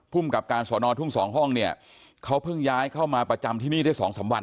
กับการสอนอทุ่งสองห้องเนี่ยเขาเพิ่งย้ายเข้ามาประจำที่นี่ได้สองสามวัน